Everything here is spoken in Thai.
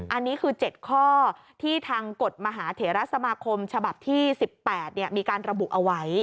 อันนี้คือ๗ข้อที่ทางกฎมหาเถระสมาคมฉบับที่๑๘มีการระบุเอาไว้